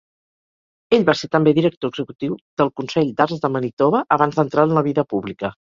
Ell va ser també director executiu del Consell d'Arts de Manitoba abans d"entrar en la vida pública.